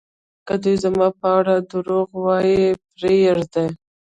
که دوی زما په اړه درواغ ویل پرېږدي